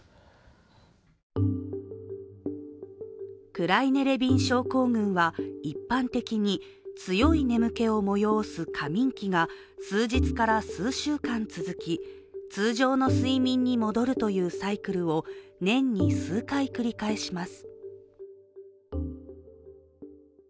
クライネ・レビン症候群は一般的に強い眠気をもよおす過眠期が数日から数週間続き通常の睡眠に戻るというサイクルを年に数回、繰り返します。